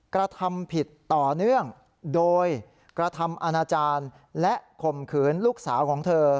กระทำผิดต่อเนื่องโดยกระทำอาณาจารย์และข่มขืนลูกสาวของเธอ